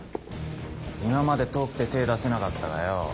今まで遠くて手ぇ出せなかったがよ。